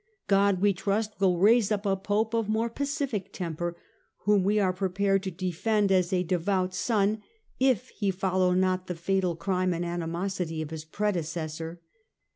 God, we trust, will raise up a Pope of more pacific temper ; whom we are prepared to defend as^a devout son, if he follow not the fatal crime and animosity of his predecessor."